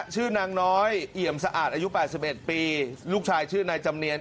ชื่อนางน้อยเอี่ยมสะอาดอายุ๘๑ปีลูกชายชื่อนายจำเนียน